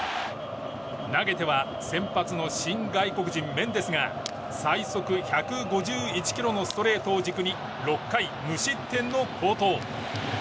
投げては先発の新外国人メンデスが最速１５１キロのストレートを軸に６回無失点の好投。